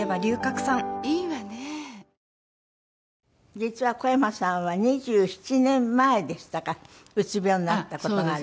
実は小山さんは２７年前でしたかうつ病になった事がある？